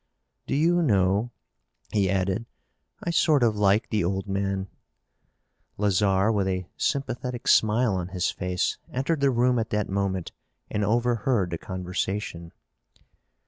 Do you know," he added, "I sort of like the old man." Lazarre, with a sympathetic smile on his face, entered the room at that moment and overheard the conversation.